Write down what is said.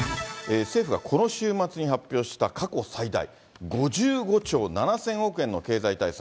政府がこの週末に発表した、過去最大５５兆７０００億円の経済対策。